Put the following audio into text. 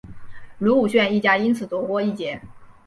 卢武铉一家因此躲过一劫。